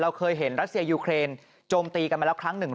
เคยเห็นรัสเซียยูเครนโจมตีกันมาแล้วครั้งหนึ่ง